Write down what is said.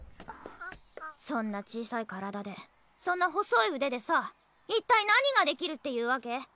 そんな小さい体でそんな細い腕でさ一体何ができるっていうわけ？